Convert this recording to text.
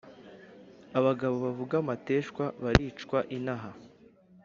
Abagabo bavuga amateshwa baricwa inaha